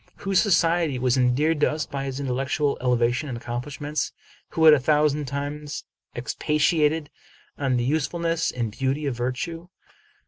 whose society was endeared to us by his intellectual elevation and accomplishments ? who had a thou sand times expatiated on the usefulness and beauty of vir tue?